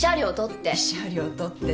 「慰謝料取って」って。